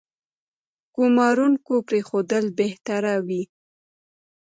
ګومارونکو پرېښودل بهتره وي.